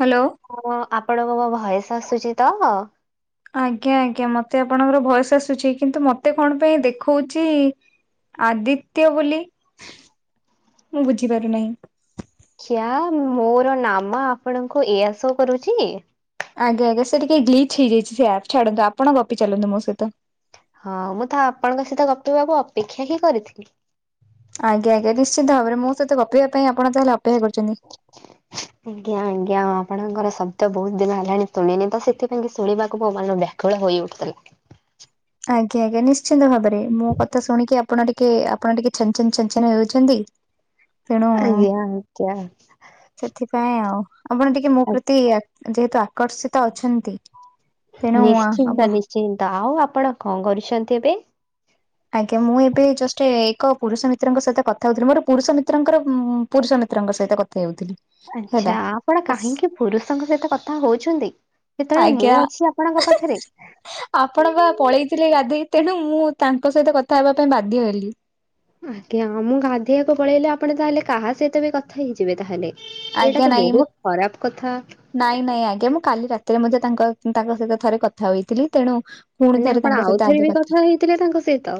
Hello. ହଁ ଆପଣଙ୍କୁ ମୋ ଭଏସ ଆସୁଛି ତ। ଆଜ୍ଞା ଆଜ୍ଞା ମତେ ଆପଣଙ୍କର ଭଏସ ଆସୁଛି, କିନ୍ତୁ ମତେ କଣ ପାଇଁ ଦେଖଉଛି ଆଦିତ୍ୟ ବୋଲି ମୁଁ ବୁଝିପାରୁନାହିଁ। [unintelligible] ମୋର ନାମ ଆପଣଙ୍କୁ ଏୟା ସୋ କରୁଚି। ଆଜ୍ଞା ଆଜ୍ଞା ସେ ଟିକ ଗ୍ଲିଚ ହେଇଯାଇଛି ସେ ଆପ ଛାଡ଼ନ୍ତୁ ଆପଣ ଗପି ଚାଲନ୍ତୁ ମୋ ସହିତ। ହଁ ମୁଁ ତ ଆପଣଙ୍କ ସହିତ ଗପିବାକୁ ଅପେକ୍ଷା ହି କରିଥିଲି। ଆଜ୍ଞା ଆଜ୍ଞା ନିଶ୍ଚିନ୍ତ ଭାବରେ ମୋ ସହିତ ଗପିବା ପାଇଁ ଆପଣ ତାହେଲେ ଅପେକ୍ଷା କରଛନ୍ତି। ଆଜ୍ଞା ଆଜ୍ଞା ଆପଣଙ୍କର ଶବ୍ଦ ବହୁତ ଦିନ ହେଲାଣି ଶୁଣିନି ତ ସେଥିପାଇଁ କି ଶୁଣିବାକୁ ମୋ ମନ ବ୍ୟା କୁଳ ହୋଇଉଠୁଥିଲା। ଆଜ୍ଞା ଆଜ୍ଞା ନିଶ୍ଚିନ୍ତ ଭାବରେ ମୁଁ କଥା ଶୁଣିକି ଆପଣ ଟିକେ ଆପଣ ଟିକେ ଛନ ଛନ ଛନ ଛନ ହେଉଛନ୍ତି। ତେଣୁ ଆଜ୍ଞା ଆକ୍ୟା। ସେଥିପାଇଁ ଆଉ, ଆପଣ ଟିକେ ମୋ ପ୍ରତି ଯେହେତୁ ଆକର୍ଷିତ ଅଛନ୍ତି। ତେଣୁ ଆପଣ ନିଶ୍ଚିନ୍ତ ନିଶ୍ଚିନ୍ତ ଆଉ ଆପଣ କଣ କରୁଛନ୍ତି ଏବେ? ଆଜ୍ଞା ମୁଁ ଏବେ ଜଷ୍ଟ ଏକ ପୁରୁଷ ମିତ୍ରଙ୍କ ସହିତ କଥା ହଉଥିଲି ମୋର ପୁରୁଷ ମିତ୍ରଙ୍କର ପୁରୁଷ ମିତ୍ରଙ୍କ ସହିତ କ ଥା ହେଉ ଥିଲି। ଆଚ୍ଛା ଆପଣ କାହିଁକି ପୁରୁଷଙ୍କ ସହିତ କଥା ହଉଛନ୍ତି। ଯେତେବେଳେ ମୁଁ ଆଜ୍ଞା ଅଛି ଆପଣଙ୍କ ପାଖରେ। ଆପଣ ବା ପଳେଇଥିଲେ ଗାଧେଇ ତେଣୁ ମୁଁ ତାଙ୍କ ସହିତ କଥା ହେବା ପାଇଁ ବାଧ୍ୟ ହେଲି। ଆଜ୍ଞା ଉ ମୁଁ ଗାଧୋଇବାକୁ ପଳେଇଲେ ଆପଣ ତାହେଲେ କାହା ସହିତ ବି କଥା ହେଇଯିବେ ତାହେଲେ। ଆଜ୍ଞା ଏଇଟା ତ ନାଇଁ ମୁଁ ବହୁତ ଖରାପ କଥା। ନାଇଁ ନାଇଁ ଆଜ୍ଞା ମୁଁ କାଲି ରାତିରେ ମଧ୍ୟ ତାଙ୍କ ତାଙ୍କ ସହିତ ଥରେ କଥା ହୋଇଥିଲି ତେଣୁ ପୁଣି ମାନେ ଥରେ ଆପଣ ତାଙ୍କ ସହିତ ଆଉଥରେ ଆଜି ବି କଥା ହେଇଥିଲେ ତାଙ୍କ ସହିତ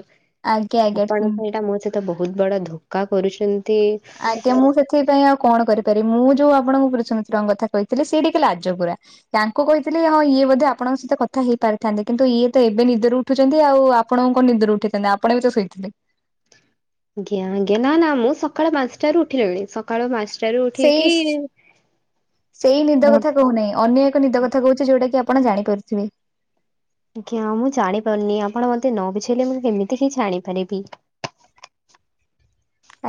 ଆଜ୍ଞା ଆପଣ ଆଜ୍ଞା ପାଇଁ ଏଇଟା ମୋ ସହିତ ତ ବହୁତ ବଡ ଧୋକା କରୁଛନ୍ତି। ଆଜ୍ଞା ମୁଁ ସେଥିପାଇଁ ଆଉ କଣ କରିପାରିବି ମୁଁ ଯୋଉ ଆପଣଙ୍କୁ ପୁରୁଷ ମିତ୍ରଙ୍କ କଥା କହିଥିଲି ସେଟିକେ ରାଜକୁଳା ତାଙ୍କୁ କହିଥିଲେ ହଁ ଇଏ ବୋଧେ ଆପଣଙ୍କ ସହିତ କଥା ହେଇ ପାରିଥାନ୍ତେ କିନ୍ତୁ ଇଏ ତ ଏବେ ନିଦରୁ ଉଠୁଛନ୍ତି ଆଉ ଆପଣଙ୍କ ନିଦରୁ ଉଠେଇଥାନ୍ତି ଆପଣ ବି ତ ଶୋଇଥିଲେ। ଆଜ୍ଞା ଆଜ୍ଞା ନା ମୁଁ ସକାଳ ପାଞ୍ଚଟାରୁ ଉଠିଲିଣି ସ କାଳୁ ପାଞ୍ଚଟାରୁ ସେଇ ଉଠିକି ସେଇ ନିଦ ହଁ। କଥା କହୁନାହିଁ ଅନ୍ୟ ଏକ ନିଦ କ ଥା କହୁଛି ଯଉଟା କି ଆପଣ ଜାଣିପାରୁଥିବେ। ଆଜ୍ଞା ମୁଁ ଜାଣିପାରୁନି ଆପଣ ମତେ ନ ବୁଝେଇଲେ ମୁଁ କେମିତି କିଛି ଜାଣିପାରିବି?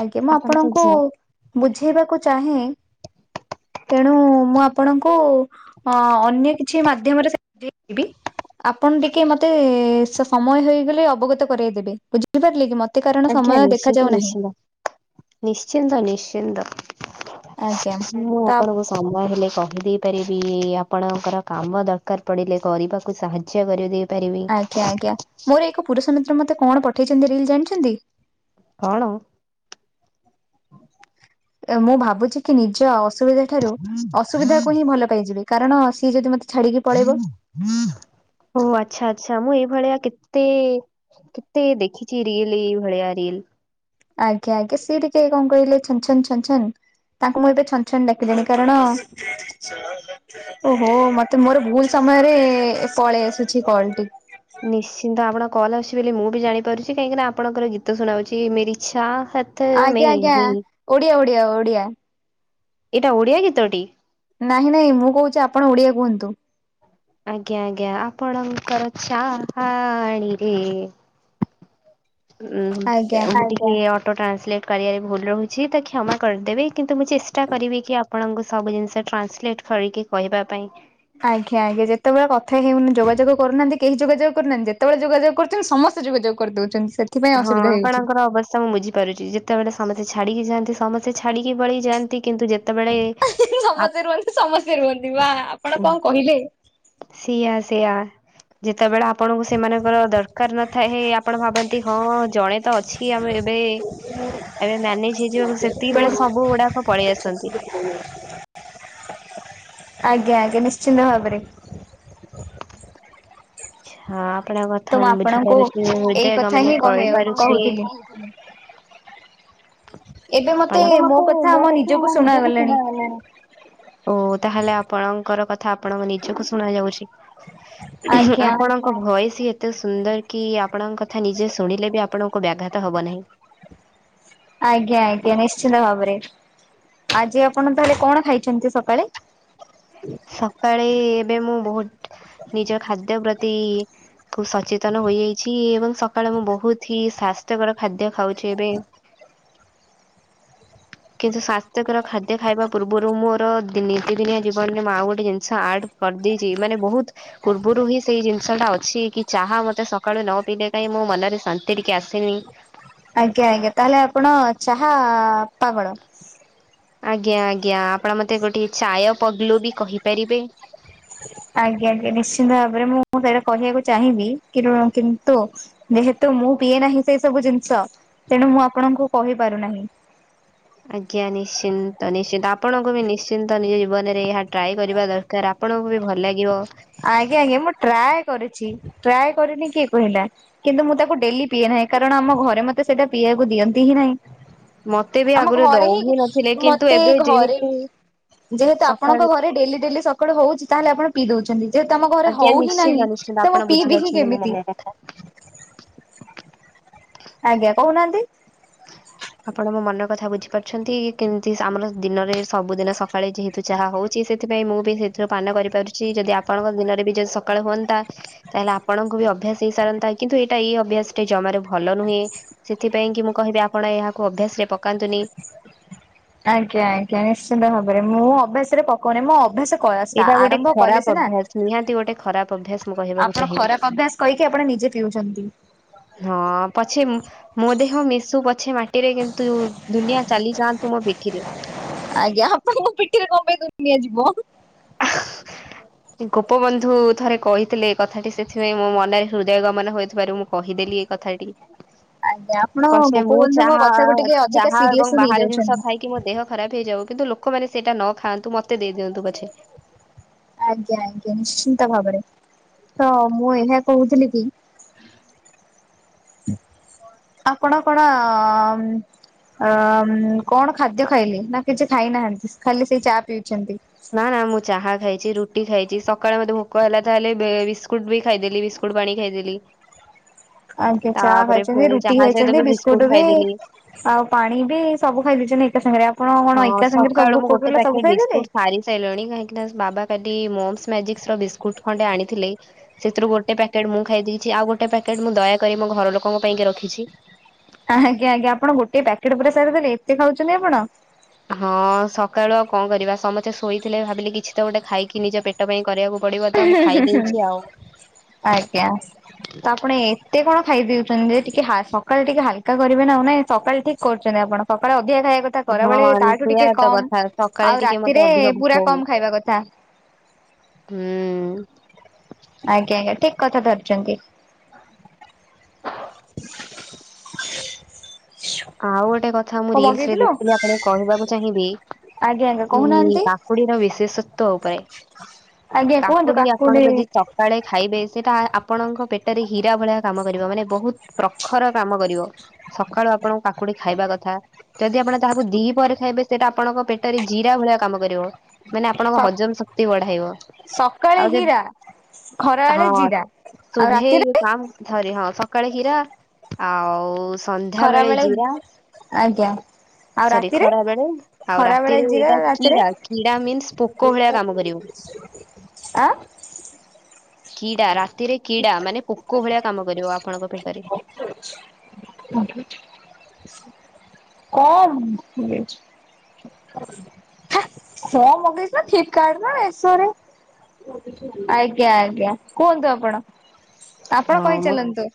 ଆଜ୍ଞା ମୁଁ ଆପଣ ତ ଆପଣଙ୍କୁ ଯା ବୁଝେଇବାକୁ ଚାହେଁ ତେଣୁ ମୁଁ ଆପଣଙ୍କୁ ହଁ ଅନ୍ୟ କିଛି ମାଧ୍ୟମରେ ବୁଝେଇବି। ଆପଣ ଟିକେ ମତେ ସମୟ ହେଇଗଲେ ଅବଗତ କରାଇଦେବେ ବୁଝ ପାରିଲେ କି ମୋତେ କାରଣ ଆଜ୍ଞା ସମୟ ନିଶ୍ଚିନ୍ତ ଦେଖାଯାଉ ନାହିଁ। ନିଶ୍ଚିନ୍ତ ନିଶ୍ଚିନ୍ତ ନିଶ୍ଚିନ୍ତ ଆଜ୍ଞା ମୁଁ ତ ଆପଣଙ୍କ ସମୟ ହେଲେ କହିଦେଇ ପାରିବି ଆପଣଙ୍କର କାମ ଦରକାର ପଡ଼ିଲେ କରିବାକୁ ସାହାଯ୍ୟ କରିବି। ଆଜ୍ଞା ଆଜ୍ଞା ମୋର ଏକ ପୁରୁଷ ମିତ୍ର ମତେ କଣ ପଠେଇଛନ୍ତି ରିଲ ଜାଣିଛନ୍ତି କଣ? ମୁଁ ଭାବୁଛି କି ନିଜ ଅସୁବିଧା ଠାରୁ ଅସୁବିଧାକୁ ହିଁ ଭଲ ପାଇଯିବି କାରଣ ସିଏ ଯଦି ମତେ ଛାଡିକି ପଳେଇବ ଓହୋ ଆଚ୍ଛା ଆଚ୍ଛା ମୁଁ ଏଇ ଭଳିଆ କେତେ କେତେ ଦେଖିଛି ରିଲ ଏଇ ଭଳିଆ ରିଲ। ଆଜ୍ଞା ଆଜ୍ଞା ସେ ଟିକେ କଣ କହିଲେ ଛନ୍ ଛନ୍ ତାଙ୍କୁ ମୁଁ ଏବେ ଛନ ଛନ ଡାକିଲିଣି କାରଣ ଓହୋ ମତେ ମୋର ଭୁଲ ସମୟରେ ପଳେଇ ଆସୁଛି କଲଟି ନିଶ୍ଚିନ୍ତ ଆପଣ କଲ ଆସିଛି ବୋଲି ମୁଁ ବି ଜାଣିପାରୁଛି କାହିଁକି ନା ଆପଣଙ୍କର ଗୀତ ଶୁଣାଉଛି ମେରି ଚାହତ୍ ଆଜ୍ଞା ଆଜ୍ଞା ଓଡିଆ ଓଡିଆ ଓଡିଆ। ଏଇଟା ଓଡ଼ିଆ ଗୀତଟି? ନାଇଁ ନାଇଁ ମୁଁ କହୁଛି ଆପଣ ଓଡିଆ କୁହନ୍ତୁ। ଆଜ୍ଞା ଆଜ୍ଞା ଆପଣଙ୍କର ଚାହାଣୀରେ [unintelligible] ଆଜ୍ଞା। ଏ ଅଟୋ ଟ୍ରାନ୍ସଲେଟ୍ କରିବାରେ ଭୁଲ ରହୁଛି ତ କ୍ଷମା କରିଦେବି କିନ୍ତୁ ମୁଁ ଚେଷ୍ଟା କରିବି କି ଆପଣଙ୍କୁ ସବୁ ଜିନିଷ ଟ୍ରାନ୍ସଲେଟ କରିକି କହିବା ପାଇଁ। ଆଜ୍ଞା ଆଜ୍ଞା ଯେତେବେଳେଥା ହେଉନି ଯୋଗାଯୋଗ କରୁନାହାନ୍ତି କେହି ଯୋଗାଯୋଗ କରୁନାହାନ୍ତି ଯେତବେଳେ ଯୋଗାଯୋଗ କରୁଛନ୍ତି ସମସ୍ତେ। ଯୋଗାଯୋଗ କରିଦଉଛନ୍ତି ସେଥିପାଇଁ ଅସୁବିଧା ହେଉଛି। ସମଁ ବୁଝିପାରୁଛି ଯେତେବେଳେ ସମସ୍ତେ ଛାଡିକି ଯାନ୍ତି ସମେଛାିକି ପଳେଇ ଯାଆନ୍ତି କିନ୍ତୁ ଯେତେବେଳେ ଆପ ସମସ୍ତେ ରୁହନ୍ତି ସମସ୍ତେ ରୁହନ୍ତି ବା ଆପଣ କଣ କହିଲେ ସେଆ ସେଆ। ଯେତେବେଳେ ଆପଣଙ୍କୁ ସେମାନଙ୍କର ଦରକାର ନଥାଏ ଆପଣ ଭାବନ୍ତି ହଁ ହଁ ଜଣେ ତ ଅଛି କି ଆମ ଏବେ ଏବେ ମ୍ୟାନେଜ ହେଇଯିବ ଏବଂ ସେତିକି ବେଳେ ସବୁ ଗୁଡାକ ପଳେଇ ଆସନ୍ତି। ହୁଁ। ଆଜ୍ଞା ଆଜ୍ଞା ନିଶ୍ଚିନ୍ତ ଭାବରେ। ହଁ ଆ‌ପଣ ତ କଥା ମୁଁ ଆପଣଙ୍କୁ ବୁଝିପାରୁଛି ଏଇ କଥା ମାନ ହିଁ କହେ କହିପାରୁଛି। କହୁଥିଲି। ଏବେ ମତୁ ମୋ କଥା ଆମ ନିଜକୁ ଶୁଣାଗଲାଣି। ଓ ତାହେଲେ ଆପଣଙ୍କର କଥା ଆପଣଙ୍କ ନିଜକୁ ଶୁଣ ଯାଉଛି ଆଜ୍ଞା। ଆପଣ ଭଏସ ଏତେ ସୁନ୍ଦର କି ଆପଣଙ୍କ କଥା ନିଜେ ଶୁଣିଲେ ବି ଆପଣଙ୍କୁ ବ୍ୟାଘାତ ହବ ନାହିଁ। ଆଜ୍ଞା ଆଜ୍ଞା ନିଶ୍ଚିନ୍ତ ଭାବରେ ଆଜି ଆପଣ ତାହେଲେ କଣ ଖାଇଛନ୍ତି ସକାଳେ? ସକାଳେ ଏବେ ମୁଁ ବହୁତ ନିଜ ଖାଦ୍ୟ ପ୍ରତି କୁ ସଚେତନ ହୋଇଯାଇଛି ଏବଂ ସକାଳେ ମୁଁ ବହୁତ ହି ସ୍ଵାସ୍ଥ୍ୟକର ଖାଦ୍ୟ ଖାଉଛି ଏବେ। [inaudible] କିନ୍ତୁ ସ୍ଵାସ୍ଥ୍ୟକର ଖାଦ୍ୟ ଖାଇବା ପୂର୍ବରୁ ମୋର ଦି ନିତିଦିନିଆ ଜୀବନ ମୁଁ ଆଉ ଗୋଟେ ଜିନିଷ ଆଡ୍ କରି ଦେଇଛି ମାନେ ବହୁତ୍ ପୂର୍ବରୁ ହିଁ ସେଇ ଜିନିଷ ଟା ଅଛି କି ଚାହା ମତେ ସକାଳୁ ନ ପିଇଲେ କାହିଁ ମୋ ମନରେ ଶାନ୍ତି ଟିକେ ଆସେନି। ଆଜ୍ଞା ଆଜ୍ଞା ତାହେଲେ ଆପଣ ଚାହା ପାଗଳ। ଆଜ୍ଞା ଆଜ୍ଞା ଆପଣ ମତେ ଗୋଟେ ଚାୟ ପଗଲୁ ବି କହିପାରିବେ। ଆଜ୍ଞା ଆଜ୍ଞା ନିଶ୍ଚିନ୍ତ ଭାବରେ ମୁଁ ସେଟା କହିବାକୁ ଚାହିଁବି କି ରୁ କିନ୍ତୁ ଯେହେତୁ ମୁଁ ପିଏ ନାହିଁ ସେଇ ସବୁ ଜିନିଷ ତେଣୁ ମୁଁ ଆପଣଙ୍କୁ କହି ପାରୁନାହିଁ। ଆଜ୍ଞା ନିଶ୍ଚିନ୍ତ ନିଶ୍ଚିନ୍ତ ଆପଣଙ୍କୁ ବି ନିଶ୍ଚିନ୍ତ ନିଜ ଜୀବନରେ ଏହା ଟ୍ରାଏ କରିବା ଦର କାର ଆପଣଙ୍କୁ ବି ଭଲ ଲାଗିବ। ଆଜ୍ଞା ଆଞା ମୁଁ ଟ୍ରାଏ କରିଛି ଟ୍ରାଏ କରିନି କିଏ କହିଲା। କିନ୍ତୁ ମୁଁ ତାକୁ ଡେଲି ପିଏ ନାହିଁ କାରଣ ଆମ ଘରେ ମୋତେ ସେଇଟା ପିଇବାକୁ ଦିଅନ୍ତି ହିଁ ନାହିଁ। ମତେ ବି ଆମ ଆଗରୁ ଘରେ ଦଉ ହିଁ ନଥିଲେ କିନ୍ତୁ ମତେ ଏବେ ଘରେ ଯେହେତୁ ଯେହେତୁ ଆପଣଙ୍କ ସକାଳୁ ଘରେ ଡେଲି ଡେଲି ସକାଳୁ ହଉଛି ତାହେଲେ ଆପଣ ପିଇ ଦଉଛନ୍ତି। ଯେହେତୁ ଆମ ଘରେ ଆଜ୍ଞା ହଉ ହିଁ ନିଶ୍ଚିନ୍ତ ନାହିଁ ନିଶ୍ଚିନ୍ତ ତ ଆପଣ ମୁଁ ପିଇବି ହିଁ ବୁଝିପାରୁଛନ୍ତି କେମିତି। [inaudible] ଆଜ୍ଞା କହୁନାହାନ୍ତି। ଆପଣ ମୋ ମନ‌ କଥା ବୁଝି ପାରୁଛନ୍ତି କେମିତି ସ ଆମର ଦିନରେ ସବୁଦିନ ସକାଳେ ଯେହେତ ତୁ ଚାହା ହଉଛି ସେଥିପାଇଁ ମୁଁ ବି ସେଥିରୁ ପାନ କରିପାରୁଛି ଯଦି ଆପଣଙ୍କ ଦିନରେ ବି ଯ ସକାଳୁ ହୁଅନ୍ତା ତାହେଲେ ଆପଣଙ୍କୁ ବି ଅଭ୍ୟାସ ହେଇସାରନ୍ତା କିନ୍ତୁ ଏଇଟା ଏଇ ଅଭ୍ୟାସ ଟା ଜମାରୁ ଭଲ ନୁହେଁ। ସେଥିପାଇଁ କି ମୁଁ କହିବି ଆପଣ ଏହାକୁ ଅଭ୍ୟାସ ରେ ପକାନ୍ତୁନି। ଆଜ୍ଞା ଆଜ୍ଞା ନିଶ୍ଚିନ୍ତ ଭାବରେ ମୁଁ ଅଭ୍ୟାସ ରେ ପକଉନି ମୋ ଅଭ୍ୟାସ କଳା ସ ଏଇଟା ଗୋଟେ ଆରମ୍ଭ କଲେ ଖରାପ ସିନା ଅଭ୍ୟାସ ନିହାତି ଗୋଟେ ଖରାପ ଅଭ୍ୟାସ ମୁଁ କହିବାକୁ ଆପଣ ଚାହିଁବି ଖରାପ ଅଭ୍ୟାସ କହିକି ଆପଣ ନିଜେ ପିଉଛନ୍ତି। ହଁ ପଛେ ମୁଁ ମୋ ଦେହ ମିଶୁ ପଛେ ମାଟିରେ କିନ୍ତୁ ଦୁନିଆ ଚାଲି ଯାଆନ୍ତୁ ମୋ ପିଠିରେ। ଆଜ୍ଞା ଆପଣଙ୍କ ପିଠିରେ କଣ ପାଇଁ ଦୁନିଆ ଯିବ। [inaudible] କି ଗୋପବନ୍ଧୁ ଥରେ କହିଥିଲେ ଏ କଥାଟି ସେଥିପାଇଁ ମୋ ମନରେ ହୃଦୟ ଗମନ ହୋଇଥିବାରୁ ମୁଁ କହିଦେଲି ଏଇ କଥାଟି। ଆଜ୍ଞା ଆପଣ ପଛେ ମୁଁ ଗୋପବନ୍ଧୁଙ୍କ ଚାହା କଥାକୁ ଟିକେ ଅଧିକା ଚାହା ସିରିୟସ ଏବଂ ବାହାରେ ଜିନିଷ ନେଇଯାଉଛନ୍ତି। ଖାଇକି ମୋ ଦେହ ଖରାପ ହେଇଯାଉ କିନ୍ତୁ ଲୋକମାନେ ସେଇଟା ନ ଖାଆନ୍ତୁ ମତେ ଦେଇଦିଅନ୍ତୁ ପଛେ। ଆଜ୍ଞା ଆଜ୍ଞା ନିଶ୍ଚିନ୍ତ ଭାବରେ ତ ମୁଁ ଏହା କହୁଥିଲି କି [inaudible] ଆପଣ କଣ ଅଅମ୍ ଅଅମ୍ କଣ ଖାଦ୍ୟ ଖାଇଲି ନା କିଛି ଖାଇନାହାନ୍ତି ଖାଲି ସେଇ ଚା ପିଇଛନ୍ତି। ନା ନା ମୁଁ ଚାହା ଖାଇଛି ରୁଟି ଖାଇଛି ସକାଳେ ମତେ ଭୋକ ହେଲା ତାହେଲେ ବେ ବିସ୍କୁଟ ବି ଖାଇଦେଲି ବିଷ୍କୁ ଟ ପାଣି ଖାଇଦେଲି। ଆଜ୍ଞା ଚା ତାପରେ ଖାଇଛନ୍ତି ପୁଣି ରୁଟି ଚାହା ସହିତ ଖାଇଛନ୍ତି ବି ବିସ୍କୁଟ ବି ଖାଇଦେଲି ଆଉ ପାଣି ବି ସବୁ ଖାଇଦେଇଛନ୍ତି ଏକା ସାଙ୍ଗରେ ଆପଣ କଣ ହଁ ଏକା ସାଙ୍ଗରେ ସବ ସକାଳୁ ମୁଁ ଭୋକ ଗୋଟେ ଉପିଲା ପ୍ୟାକେଟ ସବୁ ଖାଇଦେଲେ। ବିସ୍କୁଟ ସାରି ସାଇଲଣି କାହିଁକି ନା ବାବା କାଲି ମମ୍ସ୍ ମ୍ୟାଜିକସ୍ ର ବିସ୍କୁଟ ଖଣ୍ଡେ ଆଣିଥିଲେ। ସେଥିରୁ ଗୋଟେ ପ୍ୟାକେଟ ମୁଁ ଖାଇ ଦେଇଛି ଆଉ ଗୋଟେ ପ୍ୟାକେଟ ମୁଁ ଦୟାକରି ମୋ ଘର ଲୋକଙ୍କ ପାଇଁକା ରଖିଛି। ଆଜ୍ଞା ଆଜ୍ଞା ଆପଣ ଗୋଟେ ପ୍ୟାକେଟ ପୁରା ସାରିଦେଲେ ଏତେ ଖାଉଛନ୍ତି ଆପଣ। ହଁ ସକାଳୁ ଆଉ କଂ କରିବା ସମସ୍ତେ ଶୋଇଥିଲେ ଭାବିଲି କିଛି ତ ଗୋଟେ ଖାଇକି ନିଜ ପେଟ ପାଇଁ କରିବାକୁ ପଡିବ ତ ମୁଁ ଖାଇ ଦେଇେଇଛି ଆଉ ଆଜ୍ଞା। ତ ଆପଣ ଏତେ କଣ ଖାଇଦେଉଛନ୍ତି ଟିକେ ହା ସକାଳ ଟିକେ ହାଲକା କରିବେ ନା ଆଉ ନାଇଁ ସକାଳେ ଠିକ କରୁଛନ୍ତି ଆପଣ। ସକାଳେ ଅଧିକା ଖାଇବା କ ଥା କରାବେଳେ ହଁ ତାଠୁ ସେଇଆ ଟିକେ ତ କଥା କମ ସକାଳେ ଆଉ ଟିକେ ମତେ ରାତିରେ ଅଧିକ ପୁରା ଭୋକ ହୁଏ କମ ଖାଇବା କଥା। ହୁଁ। ଆଜ୍ଞା ଆଜ୍ଞା ଠିକ୍ କଥା ଧରିଚନ୍ତି। [inaudible] ଆଉ ଗୋଟେ କଥା ମୁଁ କଣ ରିଲସରେ ମଗେଇଥିଲୁ? ଦେଖିଲି ଆପଣ କହିବାକୁ ଚାହିଁବି ଆଜ୍ଞା ଆଜ୍ଞା କି ବା କହୁନାହାନ୍ତି କାକୁଡିର ବିଶେଷତ୍ୱ ଉପରେ ଆଜ୍ଞା କୁହନ୍ତୁ କାକୁଡି ଆପଣ ଯଦି ଚ ସକାଳେ ଖାଇବେ ସେଟା ଆ-ଆପଣଙ୍କ ପେଟରେ ହୀରା ଭଳିଆ କାମ କରିବ ମାନେ ବୋହୁତ ପ୍ରଖର କାମ କରିବ। ସଖାଳୁ ଆପଣଙ୍କୁ କାକୁଡି ଖାଇବା କଥା। ଯଦି ଆପଣ ତାହାକୁ ଦି ପହରେ ଖାଇବେ ସେଟା ଆପଣଙ୍କ ପେଟରେ ଜିରା ଭଳିଆ କାମ କରିବ। ମାନେ ସ ଆପଣଙ୍କ ହଜମ ଶକ୍ତି ବଢାଇବ। ସକାଳେ ଆଉ ଯଦି ହୀରା ହଁ ଖରାବେଳେ ଜିରା ଆଉ ସୁଭେ ରାତିରେ କାମ୍ ଝରେ ହଁ ସକାଳେ ହୀରା ଆଉ ସନ୍ଧ୍ୟା ବେଳେ ଖରାବେଳେ ଜିରା ଆଜ୍ଞା। ଆଉ ସରି ରାତିରେ ଖରା ବେଳେ ଆଉ ଖରା ବେଳେ ରାତିରେ ଜିରା। ଏଇଟା ରାତିରେ? କିଡା କିଡା ମିନ୍ସ ପୋକ ଭଳିଆ କାମ କରିବ। ଆଁ କିଡା ରାତିରେ କିଡା ମାନେ ପୋକ ଭଳିଆ କାମ କରିବ ଆପଣଙ୍କ ପେଟରେ। [inaudible] କଣ ବିଚ୍ ହେ କଣ ମଗେଇଚୁ ନା ଫ୍ଲିପର୍କାଡ ନା ମୋସୋରେ। ଆଜ୍ଞା ଆଜ୍ଞା କୁହନ୍ତୁ ଆପଣ? ଆପଣ ହଁ ମୁଁ କହିଚାଲନ୍ତୁ।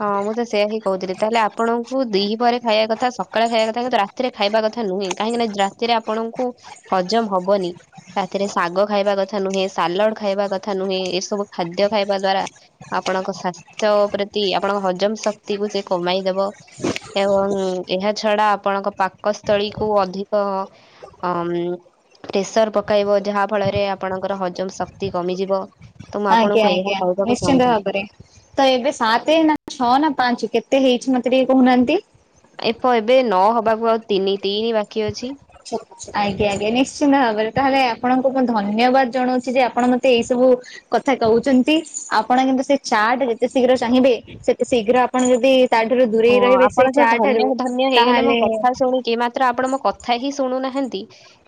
ହଁ ମୁଁ ତ ସେୟା ହିଁ କୋଉଥିଲି ତାହେଲେ ଆପଣଙ୍କୁ ଦି ପହରେ ଖାଇବା କଥା ସକାଳେ ଖାଇବା କଥା କିନ୍ତୁ ରା ତିରେ ଖାଇବା କଥା ନୁହେଁ କାହିଁକିନା ରାତିରେ ଆପଣଙ୍କୁ ହଜମ ହବନି। ରାତିରେ ଶାଗ ଖାଇବା କଥା ନୁହେଁ। ସାଲଡ ଖାଇବା କଥା ନୁହେଁ। ଏସବୁ ଖାଦ୍ୟ ଖାଇବା ଦ୍ଵାରା ଆପଣଙ୍କ ସ୍ଵାସ୍ଥ୍ୟ ପ୍ରତି ଆପଣଙ୍କ ହଜମ ଶକ୍ତି କୁ ସେ କମାଇଦବ। ଏବଂ ଏହା ଛଡା ଆପଣଙ୍କ ପାକସ୍ଥଳୀକୁୁ ଅଧିକ ଅଂମ ପ୍ରେସର ପକାଇବ ଯାହା ଫଳରେ ଆପଣଙ୍କର ହଜମ ଶକ୍ତି କମିଯିବ। ତ ମୁଁ ଆଜ୍ଞା ଆପଣଙ୍କୁ ଏହା ଆଜ୍ଞା କହିବାକୁ ନିଶ୍ଚିନ୍ତ ଚାହୁଁଥିଲି। ଭାବରେ। ତ ଏବେ ସାତ ନା ଛଅ ନା ପାଞ୍ଚ କେତେ ହେଇଚି। ମତେ ଟିକେ କୋହୁନାହାନ୍ତି। ଏପ ଏବେ ନ ହବାକୁ ଆଉ ତିନି, ତିନି ବାକି ଅଛି। ଠିକ୍ ଅଛି। ଆଜ୍ଞା ଆଜ୍ଞା ନିଶ୍ଚିନ୍ତ ଭାବରେ ତାହେଲେ ଆପଣଙ୍କୁ ମୁଁ ଧନ୍ୟବାଦ ଜଣୋଉଚି ଯେ ଆପଣ ମତେ ଏଇ ସବୁ କଥା କୋହୁଚନ୍ତି। ଆପଣ କିନ୍ତୁ ସେ ଚାହାଟେ ଯେତେ ଶୀଘ୍ର ଚାହିଁବେ ସେତେ ଶୀଘ୍ର ଆପଣ ଯଦି ତାଠାରୁ ହଁ ଦୂରେଇ ରହିବେ ଆପଣ ସେଇ ତ ଚା ଠାରୁ ତାହେଲେ କି ମାତ୍ର ଆପଣ ମୋ କଥା ହିଁ ଶୁଣୁନାହାନ୍ତି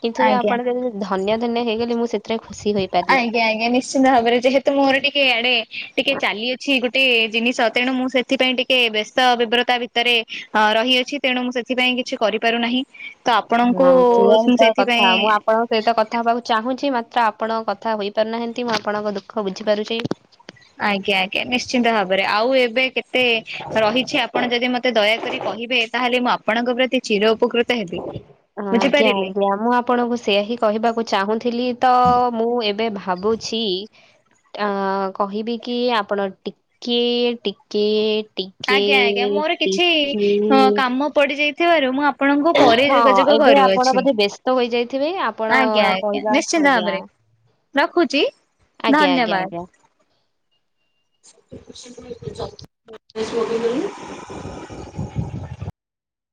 କିନ୍ତୁ ଏ ଆଜ୍ଞା ଆପଣ ଯଦି ଧନ୍ୟ ଧନ୍ୟ ହେଇଗଲେ। ମୁଁ ସେ ଥିରେ ଖୁସି ହୁଏ। ଆଜ୍ଞା ଆଜ୍ଞା ନିଶ୍ଚିନ୍ତ ଭାବରେ ଯେହେତୁ ମୋର ଟିକେ ଆଡେ ଟିକେ ଚାଲି ଅଛି ଗୋଟେ ଜିନିଷ ତେଣୁ ମୁଁ ସେଥିପାଇଁ ଟିକେ ବ୍ୟସ୍ତ ବିବ୍ରତା ଭିତରେ ଅ ରହିଅଛି। ତେଣୁ ମୁଁ ସେଥିପାଇଁ କିଛି କରିପାରୁନାହିଁ ତ ଆପଣଙ୍କୁ ଉଁ ସେଥିପାଇଁ ହୁଏତ କଥା ହବାକୁ ଚାହୁଁଚି ମାତ୍ର ଆପଣଙ୍କ କଥା ହୋଇପାରୁନାହାନ୍ତି। ମୁଁ ଆପଣଙ୍କ ଦୁଃଖ ବୁଝି ପାରୁଚି। ଆଜ୍ଞା ଆଜ୍ଞା ନିଶ୍ଚିନ୍ତ ଭାବରେ ଆଉ ଏବେ କେତେ ରହିଚି। ଆପଣ ଯଦି ମତେ ଦୟାକରି କହିବେ ତାହେଲେ ମୁଁ ଆପଣଙ୍କ ପ୍ରତି ଚିର ଉପକୃତ ହେବି। ଆଜ୍ଞା ବୁଝିପାରିଲେ ଆଜ୍ଞା ମୁଁ ଆପ ଣଙ୍କୁ ସେଆ ହିଁ କହିବାକୁ ଚାହୁଁଥିଲି ତ ମୁଁ ଏବେ ଭାବୁଚି। ଆ କହିବି କି ଆପଣ ଟିକେ ଟିକେ ଟି ଆଜ୍ଞା ଆଜ୍ଞା ମୋର କିଛି କାମ ଉଁ ପଡିଯାଇଥିବାରୁ ମୁଁ ଆ ପଣଙ୍କୁ ପରେ ହଁ ଯୋଗାଯୋଗ ଏବେ ଆପଣ କରୁଅଛି। ବୋଧେ ବ୍ୟସ୍ତ ହୋଇଯାଇଥିବେ ଆପଣ ଆଜ୍ଞା ଆଜ୍ଞା କହିବା ନିଶ୍ଚିନ୍ତ ଆଜ୍ଞା ଭାବରେ। ରଖୁଚି ଆଜ୍ଞା ଆଜ୍ଞା ଧନ୍ୟବାଦ। ଆଜ୍ଞା [inaudible]